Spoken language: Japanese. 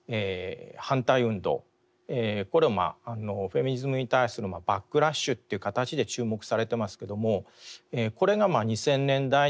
これはフェミニズムに対するバックラッシュという形で注目されてますけどもこれが２０００年代に生じてます。